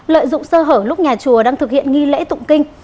lợi dụng sơ hở lúc nhà chùa đang thực hiện nghi lễ tụng kinh